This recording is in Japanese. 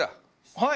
はい。